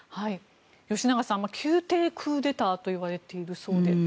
吉永さん、宮廷クーデターといわれているそうで。